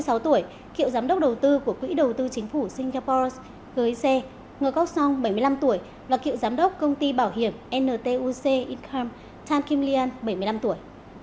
cựu giám đốc đầu tư của quỹ đầu tư chính phủ singapore g c ngơ góc song bảy mươi năm tuổi và cựu giám đốc công ty bảo hiểm ntuc income than kim lian bảy mươi năm tuổi